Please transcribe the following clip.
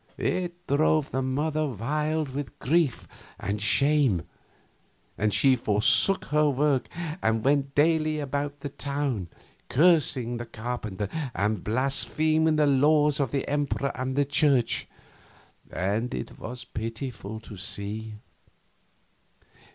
It drove the mother wild with grief and shame, and she forsook her work and went daily about the town, cursing the carpenter and blaspheming the laws of the emperor and the church, and it was pitiful to see.